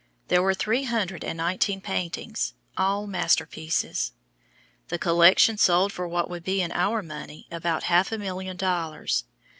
There were three hundred and nineteen paintings, all masterpieces. The collection sold for what would be in our money about half a million dollars.